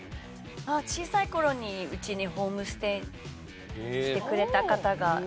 小さい頃にうちにホームステイしてくれた方が。